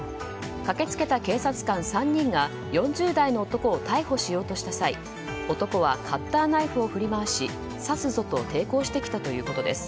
駆けつけた警察官３人が４０代の男を逮捕しようとした際男はカッターナイフを振り回し刺すぞと抵抗してきたということです。